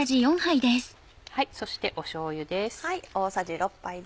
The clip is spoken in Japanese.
そしてしょうゆです。